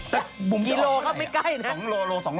แต่กี่โลเขาไม่ใกล้นะ